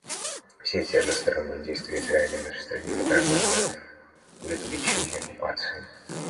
Все эти односторонние действия Израиля в нашей стране направлены на увековечение оккупации.